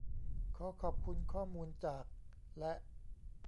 ขอขอบคุณข้อมูลจาก และ